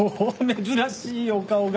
珍しいお顔が。